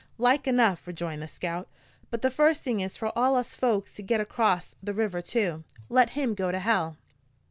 "Like enough," rejoined the scout. "But the first thing is for all us folks to git acrost the river too. Let him go to hell."